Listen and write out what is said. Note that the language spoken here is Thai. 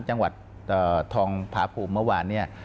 จังหวัดทองพาคุมเมื่อวาน